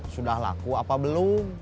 sudah laku apa belum